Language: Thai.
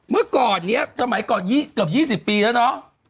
เมื่อก่อนนี้สมัยก่อนเกือบ๒๐ปีแล้วเนาะ